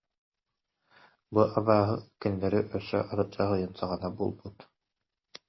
Бу «абааһы» кинилэри өссө атырдьах ыйын саҕана булбут